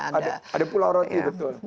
ada pulau roti betul